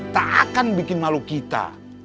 tak akan bikin malu kita